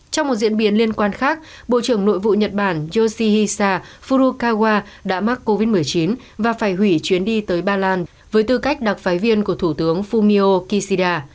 trong một diễn biến liên quan khác bộ trưởng nội vụ nhật bản yoshihisa furokawa đã mắc covid một mươi chín và phải hủy chuyến đi tới ba lan với tư cách đặc phái viên của thủ tướng fumio kishida